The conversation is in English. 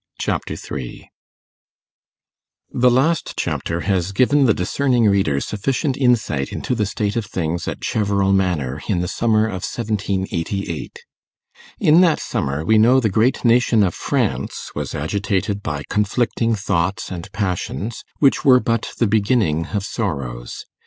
Chapter 3 The last chapter has given the discerning reader sufficient insight into the state of things at Cheverel Manor in the summer of 1788. In that summer, we know, the great nation of France was agitated by conflicting thoughts and passions, which were but the beginning of sorrows.